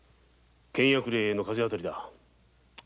倹約令への風当たりだ。